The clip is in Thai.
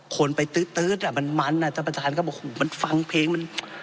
คนไปตื๊ดอ่ะมันมันอ่ะท่านประธานก็บอกมันฟังเพลงมัน